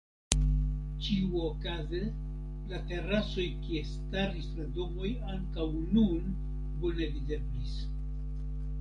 Ĉiuokaze la terasoj kie staris la domoj ankaŭ nun bone videblis.